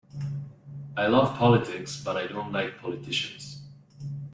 I love politics but I don't like politicians.